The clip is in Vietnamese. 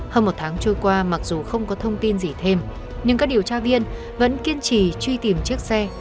hơn một tháng trôi qua mặc dù không có thông tin gì thêm nhưng các điều tra viên vẫn kiên trì truy tìm chiếc xe